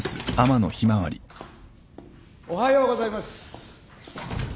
・おはようございます。